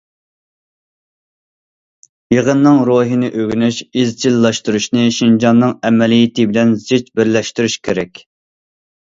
يىغىننىڭ روھىنى ئۆگىنىش، ئىزچىللاشتۇرۇشنى شىنجاڭنىڭ ئەمەلىيىتى بىلەن زىچ بىرلەشتۈرۈش كېرەك.